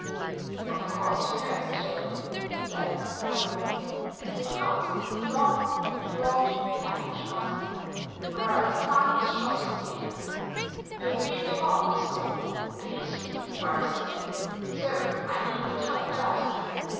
"Of course you know, children," said Herr Müller, as they passed along the broad Kärtnerstrasse, where are the finest shops of Vienna, "you've been taught in school the history of our city, so I need not tell you that."